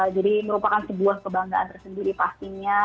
jadi merupakan sebuah kebanggaan tersendiri pastinya